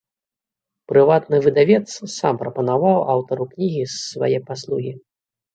Прыватны выдавец сам прапанаваў аўтару кнігі свае паслугі.